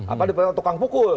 apa diperiksa oleh tukang pukul